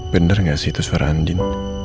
bener gak sih itu suara andin